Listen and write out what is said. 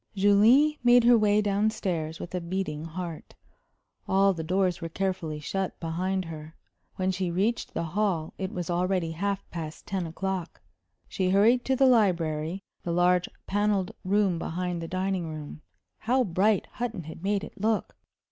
Julie made her way down stairs with a beating heart. All the doors were carefully shut behind her. When she reached the hall it was already half past ten o'clock. She hurried to the library, the large panelled room behind the dining room. How bright Hutton had made it look!